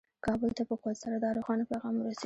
کابل ته په قوت سره دا روښانه پیغام ورسېد.